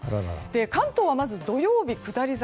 関東はまず土曜日、下り坂。